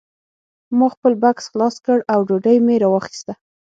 ما خپل بکس خلاص کړ او ډوډۍ مې راواخیسته